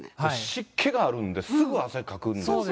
湿気があるんで、すぐ汗かくんですよ。